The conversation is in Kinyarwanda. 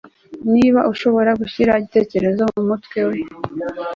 niba nshobora gushyira igitekerezo mumutwe we